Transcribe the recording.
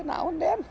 nah oh ya